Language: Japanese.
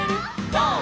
ゴー！」